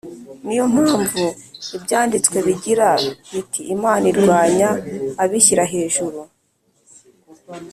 Ni yo mpamvu ibyanditswe bigira biti Imana irwanya abishyira hejuru